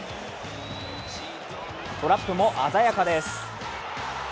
トラップも鮮やかです。